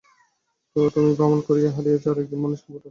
তো, তুমি ভ্রমণ কয়েন হারিয়েছ আর একজন মানুষকে পোর্টালে করে নিয়ে এসেছ।